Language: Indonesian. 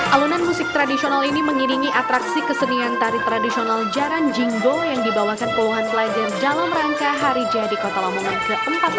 alunan musik tradisional ini mengiringi atraksi kesenian tari tradisional jalan jinggo yang dibawakan kewuhan pelajar dalam rangka hari jadi kota lamungan ke empat ratus empat puluh tujuh